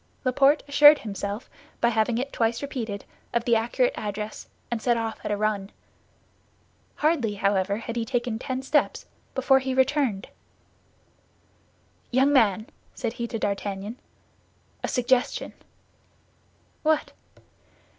Laporte assured himself, by having it twice repeated, of the accurate address, and set off at a run. Hardly, however, had he taken ten steps before he returned. "Young man," said he to D'Artagnan, "a suggestion." "What?"